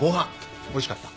おいしかった。